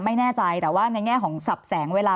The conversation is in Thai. ไม่แน่ใจแต่ว่าในแง่ของสับแสงเวลา